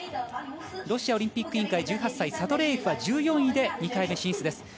ロシアオリンピック委員会１８歳の選手は１４位で２回目進出です。